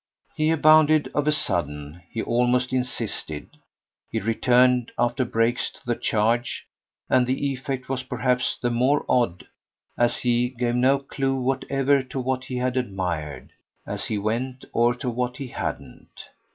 He abounded, of a sudden he almost insisted; he returned, after breaks, to the charge; and the effect was perhaps the more odd as he gave no clue whatever to what he had admired, as he went, or to what he hadn't.